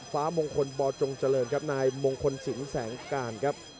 ฟ้ามงคลบจงเจริญครับนายมงคลสิงแสงการครับ